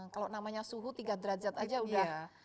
kalau namanya suhu tiga derajat aja udah